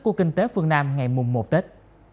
của kinh tế phương nam ngày mùa một tết